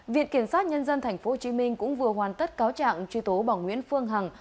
viện kiểm soát nhân dân tp hồ chí minh cũng vừa hoàn tất cáo trạng truy tố bảo nguyễn phương hằng